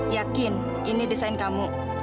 yakin ini desain kamu